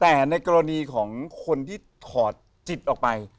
แต่ในกรณีของคนที่ถอดจิตออกไป